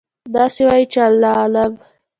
داسې وایئ چې: الله أعلم.